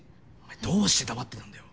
どうして黙ってるんだよ！